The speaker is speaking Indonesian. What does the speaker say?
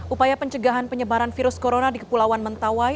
upaya pencegahan penyebaran virus corona di kepulauan mentawai